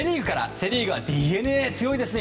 セ・リーグはＤｅＮＡが強いですね。